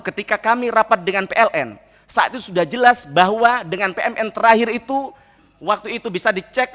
ketika kami rapat dengan pln saat itu sudah jelas bahwa dengan pmn terakhir itu waktu itu bisa dicek